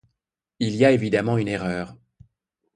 Il y a évidemment une erreur.